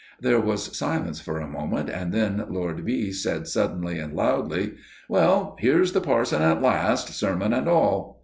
"There was silence for a moment, and then Lord B. said suddenly and loudly: "'Well, here's the parson at last, sermon and all.